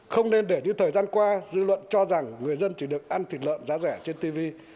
không nên để như thời gian qua dư luận cho rằng người dân chỉ được ăn thịt lợn giá rẻ trên tv